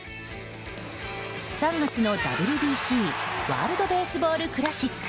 ３月のＷＢＣ・ワールド・ベースボール・クラシック。